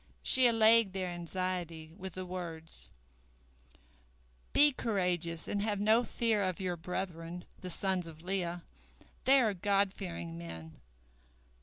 She allayed their anxiety with the words: "Be courageous and have no fear of your brethren, the sons of Leah. They are God fearing men.